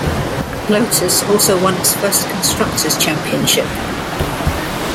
Lotus also won its first constructors' championship.